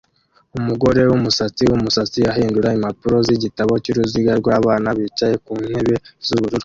Umugore wumusatsi wumusatsi ahindura impapuro zigitabo cyuruziga rwabana bicaye ku ntebe z'ubururu